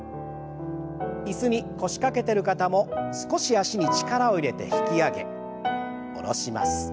椅子に腰掛けてる方も少し脚に力を入れて引き上げ下ろします。